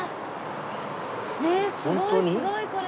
ねえすごいすごいこれ。